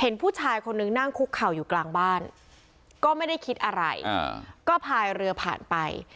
เห็นผู้ชายคนนึงนั่งคุกเข่าอยู่กลางบ้านก็ไม่ได้คิดอะไรก็พายเรือผ่านไป